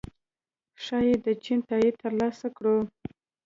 ښايي د چین تائید ترلاسه کړو